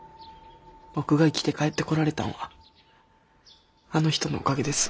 僕が生きて帰ってこられたんはあの人のおかげです。